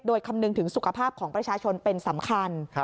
โดยคำนึงถึงสุขภาพของประชาชนเป็นสำคัญ